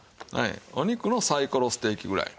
お肉のサイコロステーキぐらい。